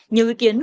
nhiều ý kiến